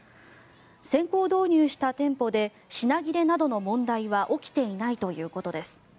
先行導入した店舗で品切れなどの問題は起きていないということです。